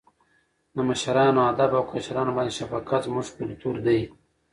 د مشرانو ادب او کشرانو باندې شفقت زموږ کلتور دی.